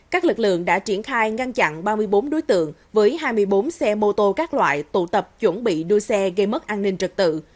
các lực lượng đã triển khai ngăn chặn ba mươi bốn đối tượng với hai mươi bốn xe mô tô các loại tụ tập chuẩn bị đua xe gây mất an ninh trật tự